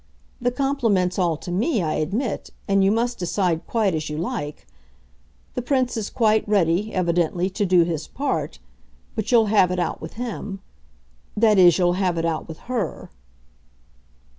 The compliment's all to me, I admit, and you must decide quite as you like. The Prince is quite ready, evidently, to do his part but you'll have it out with him. That is you'll have it out with HER."